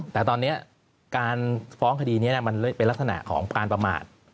แต่ตอนนี้การฟ้องคดีนี้มันเป็นลักษณะของการประมาท